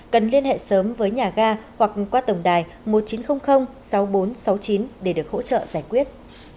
cần liên hệ sớm với nhà ga hoặc qua tổng đài một nghìn chín trăm linh sáu nghìn bốn trăm sáu mươi chín để được hỗ trợ giải quyết